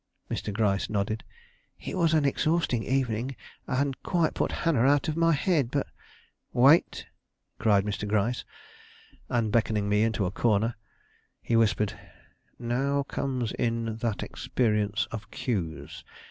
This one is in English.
Mr. Gryce nodded. "It was an exhausting evening, and quite put Hannah out of my head, but " "Wait!" cried Mr. Gryce, and beckoning me into a corner, he whispered, "Now comes in that experience of Q's.